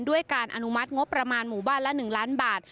ด้วยการอนุมัติงบประมาณหมู่บ้านละ๑ล้านบาท